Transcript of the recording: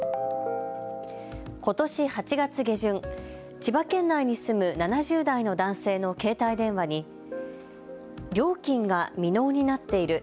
ことし８月下旬、千葉県内に住む７０代の男性の携帯電話に料金が未納になっている。